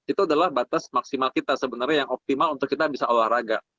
itu adalah batas maksimal kita sebenarnya yang optimal untuk kita bisa olahraga